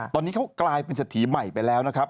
ตอนนี้เขากลายเป็นสถีบัยไปแล้วนะครับ